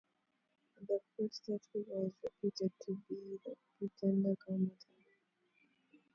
The prostrate figure is reputed to be the pretender Gaumata.